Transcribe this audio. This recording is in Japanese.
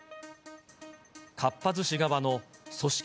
かっぱ寿司側の組織